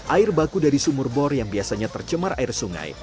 air baku dari sumur bor yang biasanya tercemar air sungai